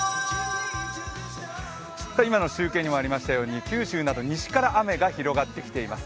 今の中継にもありましたように九州、西側から雲が広がっています。